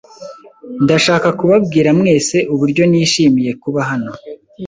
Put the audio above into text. Ndashaka kubabwira mwese uburyo nishimiye kuba hano.